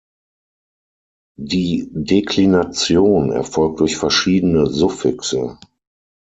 Die Deklination erfolgt durch verschiedene Suffixe.